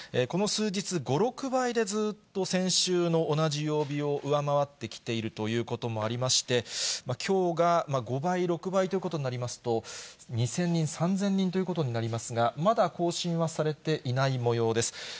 この数日、５、６倍でずっと先週の同じ曜日を上回ってきているということもありまして、きょうが５倍、６倍ということになりますと、２０００人、３０００人ということになりますが、まだ更新はされていないもようです。